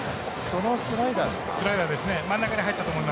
そのスライダーですか。